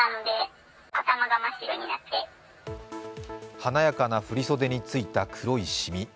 華やかな振り袖についた黒いしみ。